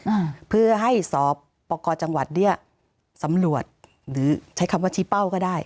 อ่าเพื่อให้สอบประกอบจังหวัดเนี้ยสำรวจหรือใช้คำว่าชี้เป้าก็ได้